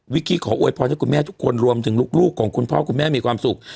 กี้ขออวยพรให้คุณแม่ทุกคนรวมถึงลูกของคุณพ่อคุณแม่มีความสุข